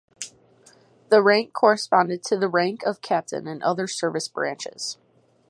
The rank corresponded to the rank of captain in other service branches.